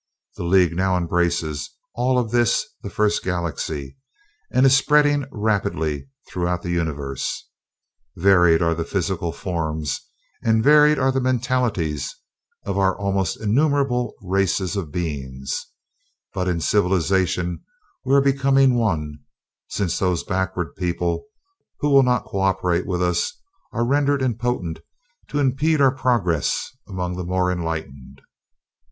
The League now embraces all of this, the First Galaxy, and is spreading rapidly throughout the Universe. Varied are the physical forms and varied are the mentalities of our almost innumerable races of beings, but in Civilization we are becoming one, since those backward people who will not co operate with us are rendered impotent to impede our progress among the more enlightened.